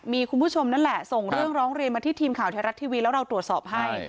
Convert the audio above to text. มีคุณผู้ชมนั่นแหละส่งเรื่องร้องเรียนมาที่ทีมข่าวไทยรัฐทีวีแล้วเราตรวจสอบให้